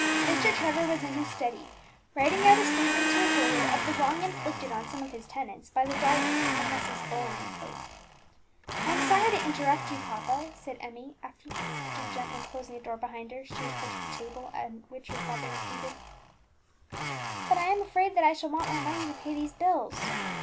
Mr. Trevor was in his study, writing out a statement to his lawyer of the wrong inflicted on some of his tenants by the dye works of Messrs. Bullen and Co. "I am sorry to interrupt you, papa," said Emmie, as, after gently closing the door behind her, she approached the table at which her father was seated, "but I am afraid that I shall want more money to pay these bills."